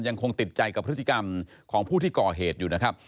ยังคงติดใจกับพฤติกรรมของผู้ที่ก่อเหตุอยู่นะครับ